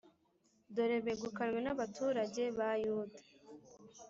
Dore begukanwe n’abaturage ba Yuda,